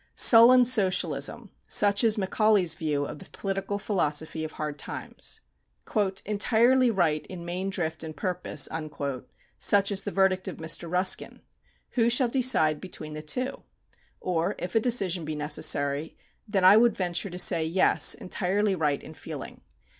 "Sullen socialism" such is Macaulay's view of the political philosophy of "Hard Times." "Entirely right in main drift and purpose" such is the verdict of Mr. Ruskin. Who shall decide between the two? or, if a decision be necessary, then I would venture to say, yes, entirely right in feeling.